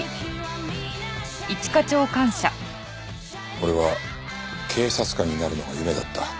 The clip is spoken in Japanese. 俺は警察官になるのが夢だった。